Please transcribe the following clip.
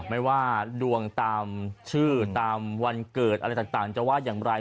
ไม่ว่าดวงตามชื่อตามวันเกิดอะไรต่างจะว่าอย่างไร